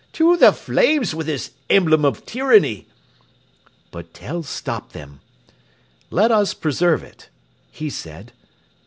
"To the flames with this emblem of tyranny!" But Tell stopped them. "Let us preserve it," he said.